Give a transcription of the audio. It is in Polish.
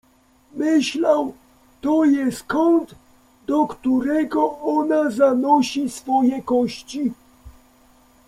Myślał: — To jest kąt, do którego ona zanosi swoje kości.